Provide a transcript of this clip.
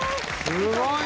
すごい！